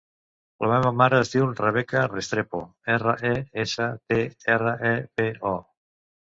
La meva mare es diu Rebeca Restrepo: erra, e, essa, te, erra, e, pe, o.